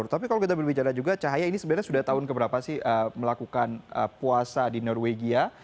tapi kalau kita berbicara juga cahaya ini sebenarnya sudah tahun keberapa sih melakukan puasa di norwegia